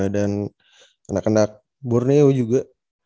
dan anak anak borneo juga